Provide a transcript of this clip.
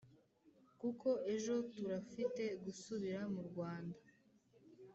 kuko ejo turafite gusubira mu rwanda